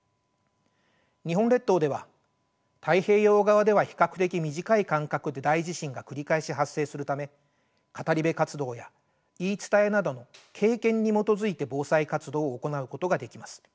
日本列島では太平洋側では比較的短い間隔で大地震が繰り返し発生するため語り部活動や言い伝えなどの「経験」に基づいて防災活動を行うことができます。